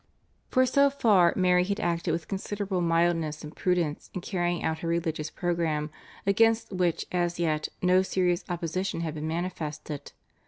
For so far Mary had acted with considerable mildness and prudence in carrying out her religious programme, against which as yet no serious opposition had been manifested.